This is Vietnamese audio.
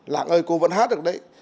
lạng ơi cô vẫn hát được đấy